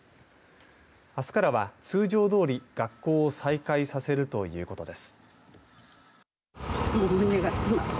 あすからは、通常どおり学校を再開させるということです。